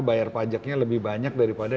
bayar pajaknya lebih banyak daripada